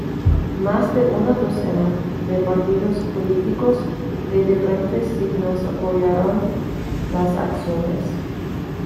Más de una docena de partidos políticos de diferentes signos apoyaron las acciones.